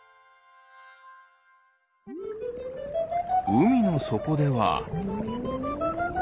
うみのそこでは。